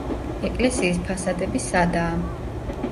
ეკლესიის ფასადები სადაა.